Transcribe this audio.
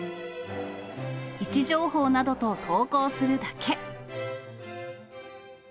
位置情報などと投稿するだけ。